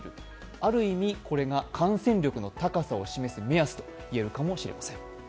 ある意味これが感染力の高さを示す目安と言えるかもしれません。